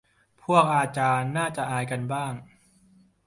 พวกอาจารย์น่าจะอายกันบ้าง